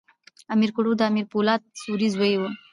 امیر کروړ د امیر پولاد سوري زوی وو.